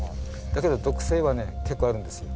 だけど毒性はね結構あるんですよ。